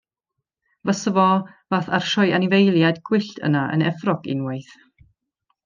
Fasa fo fath â'r sioe anifeiliaid gwyllt yna yn Efrog unwaith.